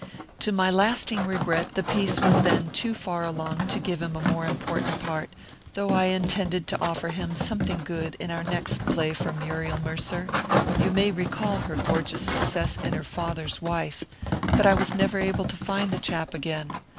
"'To my lasting regret the piece was then too far along to give him a more important part, though I intended to offer him something good in our next play for Muriel Mercer you may recall her gorgeous success in Her Father's Wife but I was never able to find the chap again.